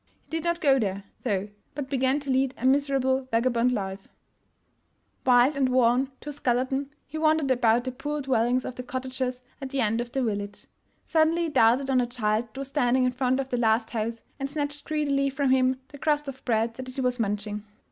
He did not go there, though, but began to lead a miserable vagabond life. 428 THE GERMAN CLASSICS Wild, and worn to a skeleton, lie wandered about the poor dwellings of the cottagers at the end of the village. Suddenly he darted on a child that was standing in front of the last house, and snatched greedily from him the crust of bread that he was munching.